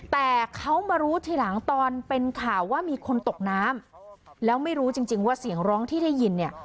แต่เขามารู้ทีหลังตอนเป็นข่าวว่ามีคนตกน้ำแล้วไม่รู้จริงจริงว่าเสียงร้องที่ได้ยินเนี่ย